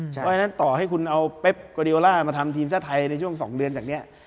เพราะฉะนั้นต่อให้คุณเอาเป๊บโกดีโอล่ามาทำทีมชาติไทยในช่วง๒เดือนจากนี้